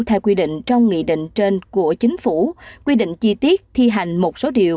theo quy định trong nghị định trên của chính phủ quy định chi tiết thi hành một số điều